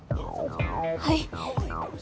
はい。